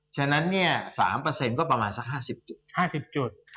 ฉะนั้น๓ก็ประมาณสัก๕๐จุด